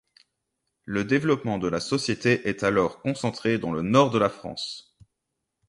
Le développement de la société est alors concentré dans le nord de la France.